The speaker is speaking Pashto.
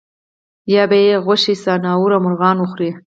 یا به یې غوښې ځناورو او مرغانو وخوړې.